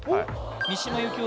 三島由紀夫